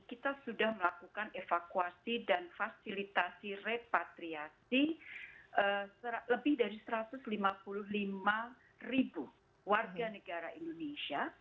kita sudah melakukan evakuasi dan fasilitasi repatriasi lebih dari satu ratus lima puluh lima ribu warga negara indonesia